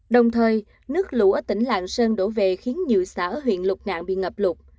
đồng thời nước lũ ở tỉnh lạng sơn đổ về khiến nhiều xã ở huyện lục ngạn bị ngập lụt